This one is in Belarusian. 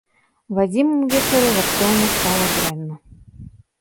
Вадзіму ўвечары раптоўна стала дрэнна.